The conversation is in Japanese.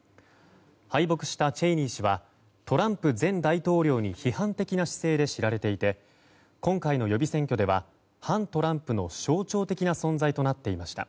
敗北したチェイニー氏はトランプ前大統領に批判的な姿勢で知られていて今回の予備選挙では反トランプの象徴的な存在となっていました。